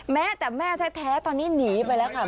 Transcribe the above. แม้แต่แม่แท้ตอนนี้หนีไปแล้วค่ะ